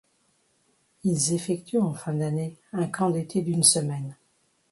Ils effectuent, en fin d'année, un camp d'été d'une semaine.